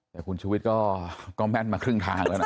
แต่คุณชุวิตก็แม่นมาครึ่งทางแล้วนะ